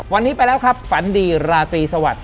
วันนี้ไปแล้วครับฝันดีราตรีสวัสดิ